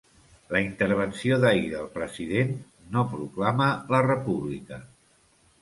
La intervenció d’ahir del president no proclama la república.